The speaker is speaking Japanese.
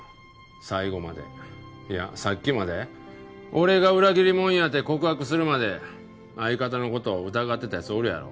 最後までいやさっきまで「俺が裏切りもんや」って告白するまで相方の事を疑ってた奴おるやろ。